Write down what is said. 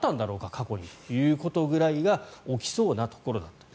過去にということぐらいが起きそうなところだったと。